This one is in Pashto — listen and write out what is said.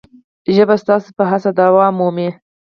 ژبه ستاسو په هڅه دوام مومي.